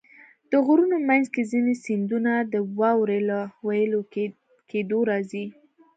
د غرونو منځ کې ځینې سیندونه د واورې له وېلې کېدو راځي.